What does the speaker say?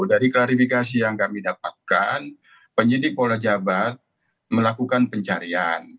dari klarifikasi yang kami dapatkan penyidik polda jabar melakukan pencarian